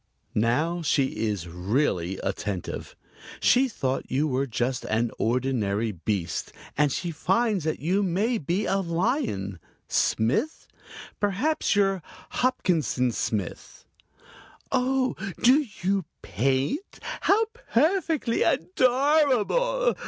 Now she is really attentive. She thought you were just an ordinary beast, and she finds that you may be a lion. Smith? Perhaps you're Hopkinson Smith. "Oh, do you paint? How perfectly adorable!